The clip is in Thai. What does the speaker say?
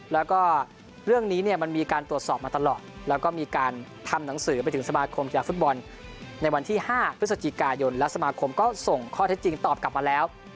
แล้วก็เรื่องนี้เนี่ยมันมีการตรวจสอบมาตลอดแล้วก็มีการทำหนังสือไปถึงสมาคมกีฬาฟุตบอลในวันที่๕พฤศจิกายนและสมาคมก็ส่งข้อเท็จจริงตอบกลับมาแล้ว